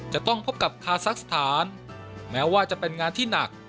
จะต้องพบกับคาซักสถานแม้ว่าจะเป็นงานที่หนัก